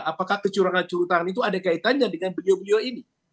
apakah kecurangan kecurangan itu ada kaitannya dengan beliau beliau ini